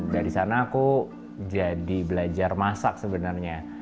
dari sana aku jadi belajar masak sebenarnya